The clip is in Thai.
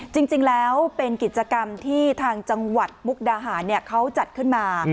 จริงแล้วเป็นกิจกรรมที่ทางจังหวัดมุกดาหารเขาจัดขึ้นมา